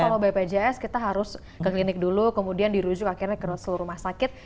karena ini kita tahu kalau bpjs kita harus ke klinik dulu kemudian dirujuk akhirnya ke seluruh rumah sakit